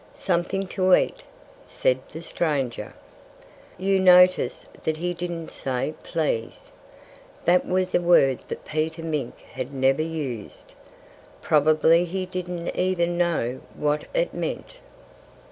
"Something to eat!" said the stranger. You notice that he didn't say "Please!" That was a word that Peter Mink had never used. Probably he didn't even know what it meant.